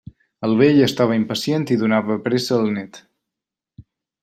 El vell estava impacient i donava pressa al nét.